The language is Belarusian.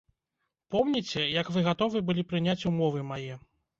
Помніце, як вы гатовы былі прыняць умовы мае?